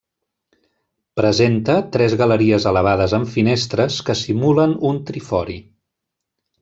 Presenta tres galeries elevades amb finestres, que simulen un trifori.